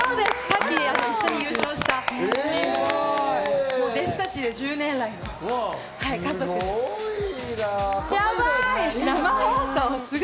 さっき一緒に優勝した１０年来の弟子たちです。